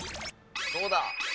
どうだ？